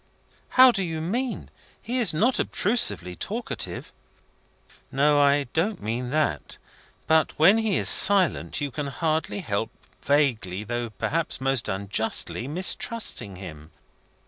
"How do you mean? He is not obtrusively talkative." "No, and I don't mean that. But when he is silent, you can hardly help vaguely, though perhaps most unjustly, mistrusting him.